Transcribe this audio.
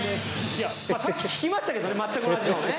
いやさっき聞きましたけどね全く同じのをね。